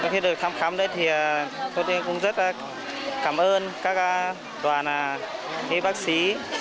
khi được thăm khám tôi cũng rất cảm ơn các đoàn y bác sĩ